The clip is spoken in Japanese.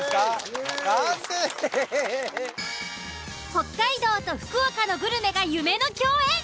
北海道と福岡のグルメが夢の共演！